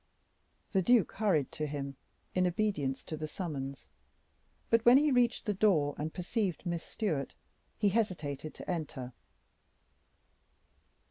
The duke hurried to him, in obedience to the summons; but when he reached the door, and perceived Miss Stewart, he hesitated to enter.